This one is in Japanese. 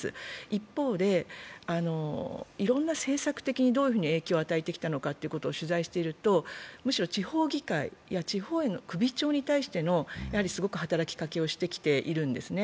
一方で、いろんな政策的にどういうふうに影響を与えてきたのかを取材していると、むしろ地方議会や地方の首長に対しての働きかけをしてきているんですね。